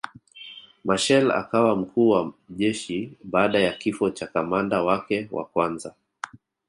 Machel akawa mkuu wa jeshi baada ya kifo cha kamanda wake wa kwanza